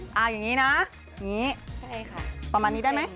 เอาอย่างนี้นะอย่างนี้ใช่ค่ะประมาณนี้ได้ไหม